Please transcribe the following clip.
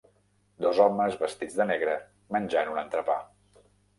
Dos homes vestits de negre menjant un entrepà.